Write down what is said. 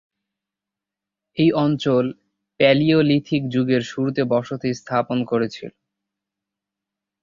এই অঞ্চল প্যালিওলিথিক যুগের শুরুতে বসতি স্থাপন করেছিল।